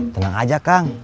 tenang aja kang